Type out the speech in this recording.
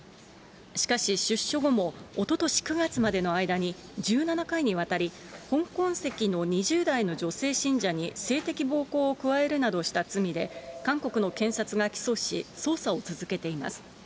しかし、出所後も、おととし９月までの間に、１７回にわたり、香港籍の２０代の女性信者に性的暴行を加えるなどした罪で、韓国の検察が起訴し、捜査を続けています。